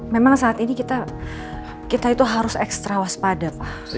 memang saat ini kita itu harus ekstra waspada pak